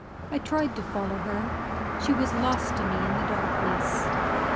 I tried to follow her. She was lost to me in the darkness.